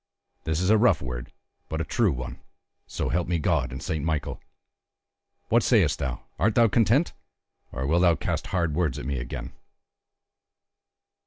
This a rough word, but a true one, so help me God and Saint Michael! What sayest thou; art thou content, or wilt thou cast hard words at me again?"